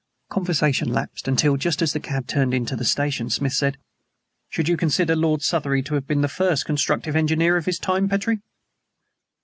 Conversation lapsed, until, just as the cab turned into the station, Smith said: "Should you consider Lord Southery to have been the first constructive engineer of his time, Petrie?"